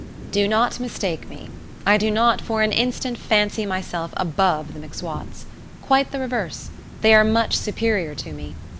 Do not mistake me. I do not for an instant fancy myself above the M'Swats. Quite the reverse; they are much superior to me.